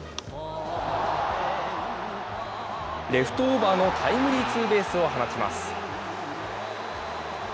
レフトオーバーのタイムリーツーベースを放ちます。